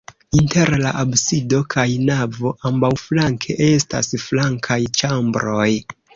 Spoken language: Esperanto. Inter la absido kaj navo ambaŭflanke estas flankaj ĉambroj.